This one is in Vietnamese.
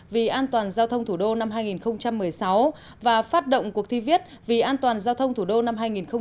vì an toàn giao thông thủ đô năm hai nghìn một mươi sáu và phát động cuộc thi viết vì an toàn giao thông thủ đô năm hai nghìn một mươi chín